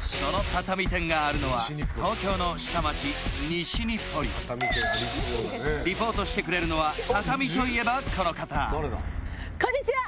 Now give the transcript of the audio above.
その畳店があるのは東京の下町西日暮里リポートしてくれるのは畳といえばこの方こんにちは